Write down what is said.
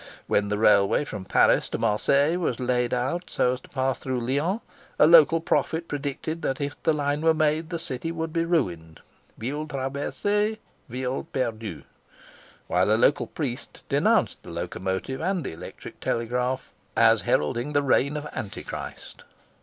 When the railway from Paris to Marseilles was laid out so as to pass through Lyons, a local prophet predicted that if the line were made the city would be ruined—"Ville traversée, ville perdue;" while a local priest denounced the locomotive and the electric telegraph as heralding the reign of Antichrist.